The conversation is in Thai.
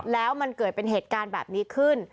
แล้วมันเกิดเป็นเหตุการณ์แบบนี้ขึ้น